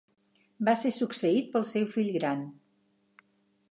Va ser succeït pel seu fill gran.